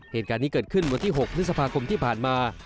เหตุการณ์นี้เกิดขึ้นวันที่๖พฤษภาคมที่ผ่านมา